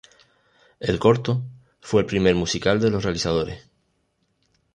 El corto fue el primer musical de los realizadores.